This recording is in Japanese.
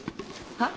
はっ？